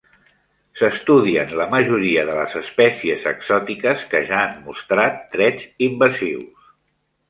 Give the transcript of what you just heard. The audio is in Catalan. S'estudien la majoria de les espècies exòtiques que ja han mostrat trets invasius.